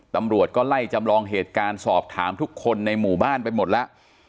ตำรวจก็ไล่จำลองเหตุการณ์สอบถามทุกคนในหมู่บ้านไปหมดแล้ว